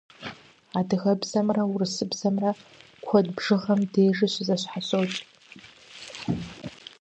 Адыгэбзэмрэ урысыбзэмрэ куэд бжыгъэм дежи щызэщхьэщокӏ.